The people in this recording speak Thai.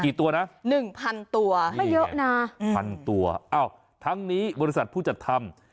กี่ตัวนะ๑๐๐๐ตัวไม่เยอะนะ๑๐๐๐ตัวอ้าวทั้งนี้บริษัทผู้จัดทำ